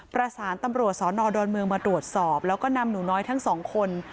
ประสานตำรวจสอนอดอนเมืองมาตรวจสอบแล้วก็นำหนูน้อยทั้งสองคน